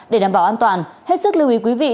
để đảm bảo an toàn hết sức lưu ý quý vị